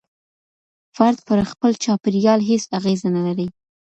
فرد پر خپل چاپېريال هيڅ اغېزه نلري.